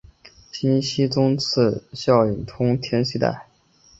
金熙宗赐萧肄通天犀带。